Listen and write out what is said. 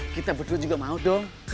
kita berdua juga mau dong